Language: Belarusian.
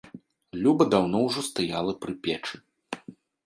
Люба даўно ўжо стаяла пры печы.